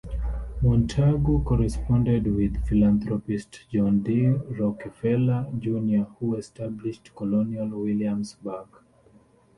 Montague corresponded with philanthropist John D. Rockefeller Junior who established Colonial Williamsburg.